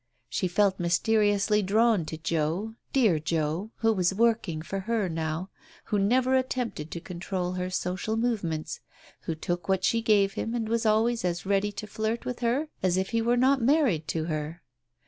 ... She felt mysteriously drawn to Joe, dear Joe, who was working for her now, who never attempted to control her social movements, who took what she gave him and was always as ready to flirt with her as if he were not married to her